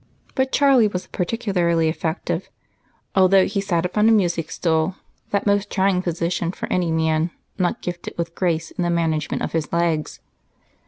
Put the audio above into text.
But Charlie was particularly effective, although he sat upon a music stool, that most trying position for any man not gifted with grace in the management of his legs.